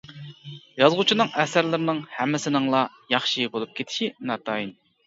يازغۇچىنىڭ ئەسەرلىرىنىڭ ھەممىسىنىڭلا ياخشى بولۇپ كېتىشى ناتايىن.